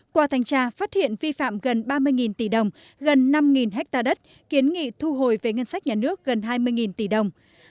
qua thanh tra phát hiện vi phạm gần ba mươi tỷ đồng gần năm ha đất kiến nghị thu hồi về ngân sách nhà nước gần hai mươi tỷ đồng